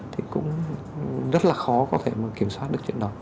thì cũng rất là khó có thể mà kiểm soát được chuyện đó